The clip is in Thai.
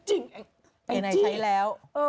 เกงในใช้แล้ว